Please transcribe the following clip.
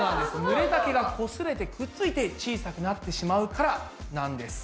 ぬれた毛がこすれてくっついて小さくなってしまうからなんです。